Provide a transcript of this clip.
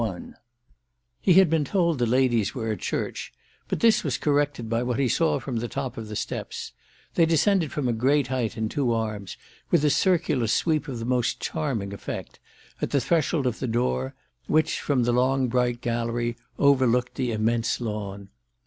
5I He had been told the ladies were at church, but this was corrected by what he saw from the top of the steps—they descended from a great height in two arms, with a circular sweep of the most charming effect—at the threshold of the door which, from the long bright gallery, overlooked the immense lawn.